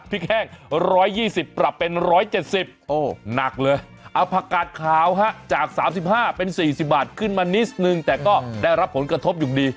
พริกแห้ง๑๒๐ปรับเป็น๑๗๐นั่งเลยพักกาตขาวฮะจาก๓๕๔๐บานก็ได้รับผลกระทบอยู่ดี